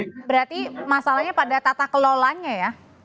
berarti masalahnya pada tata kelolanya ya